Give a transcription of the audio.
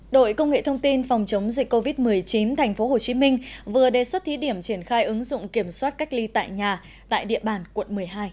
đội công nghệ thông tin phòng chống dịch covid một mươi chín tp hcm vừa đề xuất thí điểm triển khai ứng dụng kiểm soát cách ly tại nhà tại địa bàn quận một mươi hai